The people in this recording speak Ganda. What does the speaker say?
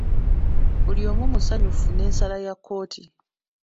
Buli omu musanyufu n'ensala ya kkooti.